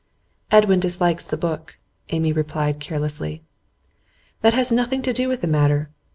'Edwin dislikes the book,' Amy replied, carelessly. 'That has nothing to do with the matter.